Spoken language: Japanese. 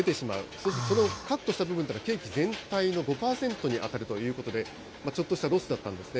そうするとカットした部分がケーキ全体の５％に当たるということで、ちょっとしたロスだったんですね。